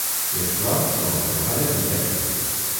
Les flors són rosades i sèssils.